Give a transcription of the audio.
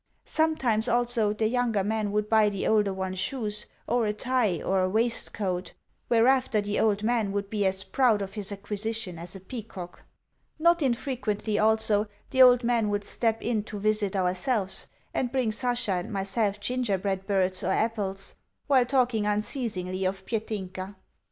Sometimes, also, the younger man would buy the older one shoes, or a tie, or a waistcoat; whereafter, the old man would be as proud of his acquisition as a peacock. Not infrequently, also, the old man would step in to visit ourselves, and bring Sasha and myself gingerbread birds or apples, while talking unceasingly of Petinka.